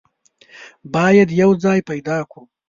بايد يو ځای پيدا کو.